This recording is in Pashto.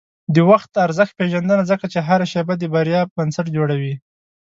د وخت ارزښت پېژنه، ځکه چې هره شېبه د بریا بنسټ جوړوي.